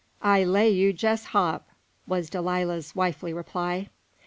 I lay you jes' hop," was Delilah's wifely reply.